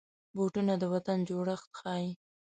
بوټونه د وطن جوړښت ښيي.